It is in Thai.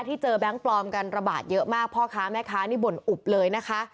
เจอแบงค์ปลอมกันระบาดเยอะมากพ่อค้าแม่ค้านี่บ่นอุบเลยนะคะ